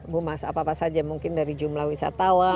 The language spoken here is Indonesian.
buma apa saja mungkin dari jumlah wisatawan